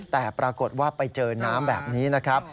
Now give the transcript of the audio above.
แต่ปรากฏว่าไปเจอน้ำแบบนี้นะครับ